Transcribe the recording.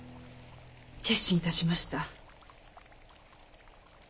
決心いたしました。